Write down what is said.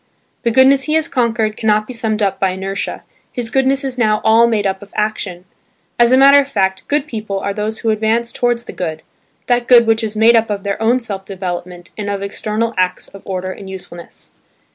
The goodness he has conquered cannot be summed up by inertia: his goodness is now all made up of action. As a matter of fact, good people are those who advance towards the good–that good which is made up of their own self development and of external acts of order and usefulness.